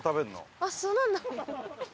あっそうなんだ。